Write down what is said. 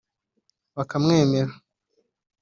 bakamwemera